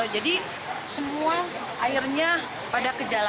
jadi semua airnya pada kejalan